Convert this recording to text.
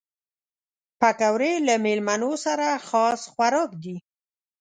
پکورې له مېلمنو سره خاص خوراک دي